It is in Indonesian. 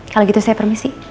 kalo gitu saya permisi